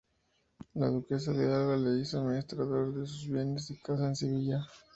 La Duquesa de Alba le hizo administrador de sus bienes y casa en Sevilla.